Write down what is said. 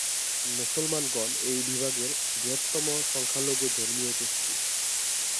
মুসলমানগণ এই বিভাগের বৃহত্তম সংখ্যালঘু ধর্মীয় গোষ্ঠী।